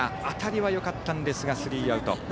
当たりはよかったんですがスリーアウト。